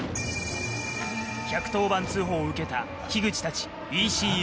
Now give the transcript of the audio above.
１１０番通報を受けた口たちＥＣＵ